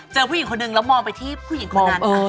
ผู้หญิงคนนึงแล้วมองไปที่ผู้หญิงคนนั้น